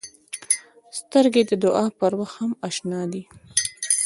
سترګې د دعا پر وخت هم اشنا دي